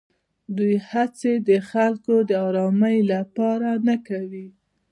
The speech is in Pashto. دوی هېڅې د خلکو د ارامۍ لپاره نه کوي.